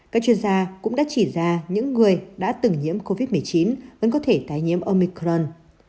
các chuyên gia cũng đã chỉ ra những người đã từng nhiễm covid một mươi chín vẫn có thể tái nhiễm omicron